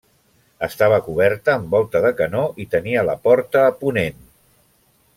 Estava coberta amb volta de canó i tenia la porta a ponent.